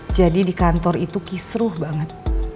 jadi di kantor itu kisruh banget